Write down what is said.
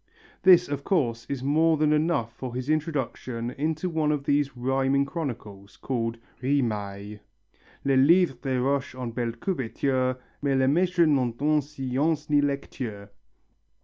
This of course is more than enough for his introduction into one of these rhyming chronicles, called Rymaille: Les livres Des Roches en belle couverture, Mais leur Maistre n'en donne Science ny Lecture.